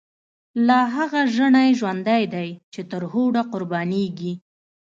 لاهغه ژڼی ژوندی دی، چی ترهوډه قربانیږی